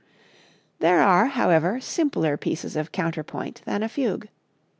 There are, however, simpler pieces of counterpoint than a fugue.